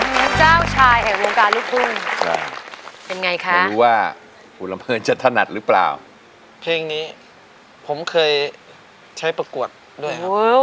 มีเจ้าชายแห่งวงการฤทธิ์พุ่งเป็นไงคะว่าหุลเมินจะถนัดหรือเปล่าเพลงนี้ผมเคยใช้ประกวดด้วย